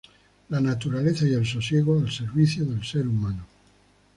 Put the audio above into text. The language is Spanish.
La naturaleza y el sosiego al servicio del ser humano.